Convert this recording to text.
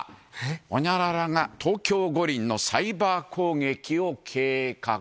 ほにゃららが東京五輪のサイバー攻撃を計画。